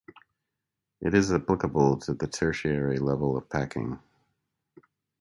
It is applicable to the tertiary level of packing.